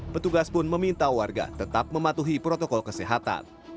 petugas pun meminta warga tetap mematuhi protokol kesehatan